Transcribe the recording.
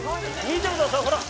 見てくださいほら！